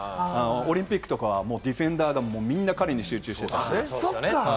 オリンピックはディフェンダーがみんな彼に集中するんですね。